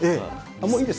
もういいですか？